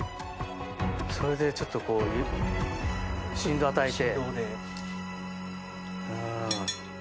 それで、ちょっと振動を与えて。